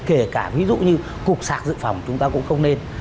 kể cả ví dụ như cục sạc dự phòng chúng ta cũng không nên